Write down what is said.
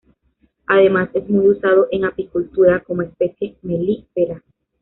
Además es muy usado en apicultura como especie melífera.